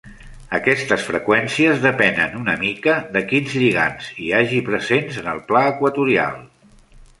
Aquestes freqüències depenen una mica de quins lligands hi hagi presents en el pla equatorial.